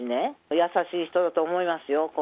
優しい人だと思いますよ。